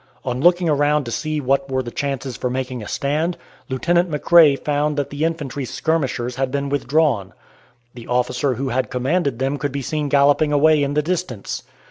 On looking around to see what were the chances for making a stand, Lieutenant McRae found that the infantry skirmishers had been withdrawn. The officer who had commanded them could be seen galloping away in the distance.